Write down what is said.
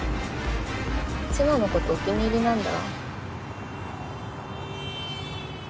瀬那のことお気に入りなんだ。